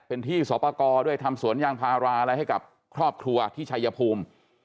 เป็นที่สอบประกอบด้วยทำสวนยางพาราอะไรให้กับครอบครัวที่ชัยภูมิ